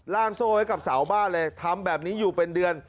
โซ่ไว้กับเสาบ้านเลยทำแบบนี้อยู่เป็นเดือน